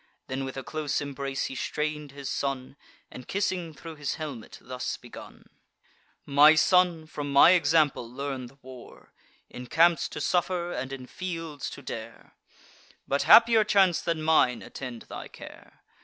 Then with a close embrace he strain'd his son, And, kissing thro' his helmet, thus begun: "My son, from my example learn the war, In camps to suffer, and in fields to dare; But happier chance than mine attend thy care!